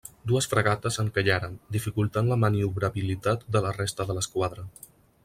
Dues fragates encallaren, dificultant la maniobrabilitat de la resta de l'esquadra.